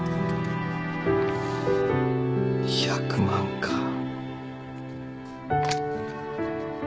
１００万か。